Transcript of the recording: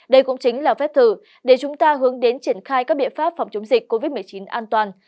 đây cũng chính là phép thử để chúng ta hướng đến triển khai các biện pháp phòng chống dịch covid một mươi chín an toàn